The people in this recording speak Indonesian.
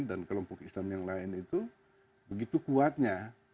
dan kelompok islam yang lain itu begitu kuatnya